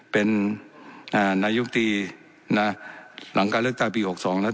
เป็นอ่านายกตรีนะหลังการเลือกตายปีหกสองแล้ว